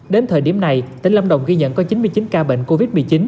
đến thời điểm này tỉnh lâm đồng ghi nhận có chín mươi chín ca bệnh covid một mươi chín